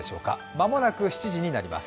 間もなく７時になります。